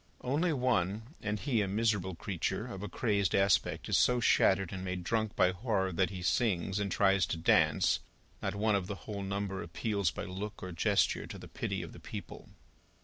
Only one, and he a miserable creature, of a crazed aspect, is so shattered and made drunk by horror, that he sings, and tries to dance. Not one of the whole number appeals by look or gesture, to the pity of the people.